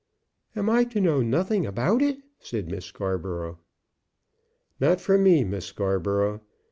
"Am I to know nothing about it?" said Miss Scarborough. "Not from me, Miss Scarborough.